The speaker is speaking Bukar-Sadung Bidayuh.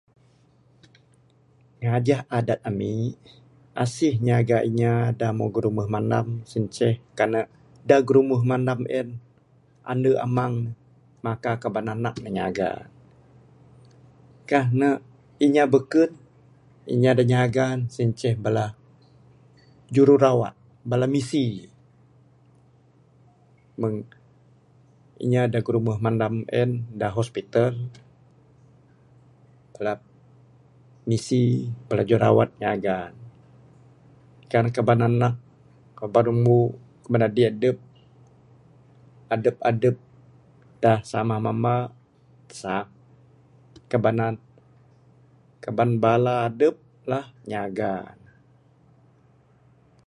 Ngajah adat ami, asih nyaga inya da umeh girumeh mandam sien inceh kan ne da girumeh mandam en ande amang maka kaban anak ne nyaga. Kah ne inya beken, inya da nyaga ne sien inceh bala jururawat, bala misi meng inya da girumeh mandam en da hospital, bala misi, bala jururawat nyaga ne. Kan ne kaban anak, kaban umbu, kaban adik adep, adep adep da samah mamba, sak kaban, kaban bala adep lah nyaga.